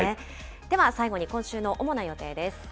では最後に今週の主な予定です。